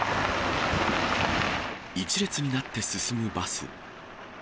１列になって進むバス。